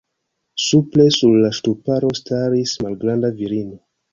Supre sur la ŝtuparo staris malgranda virino.